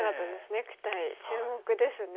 ネクタイ注目ですね。